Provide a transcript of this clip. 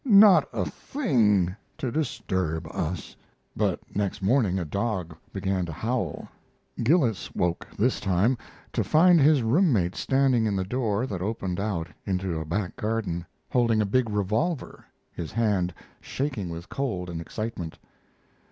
Not a thing to disturb us." But next morning a dog began to howl. Gillis woke this time, to find his room mate standing in the door that opened out into a back garden, holding a big revolver, his hand shaking with cold and excitement.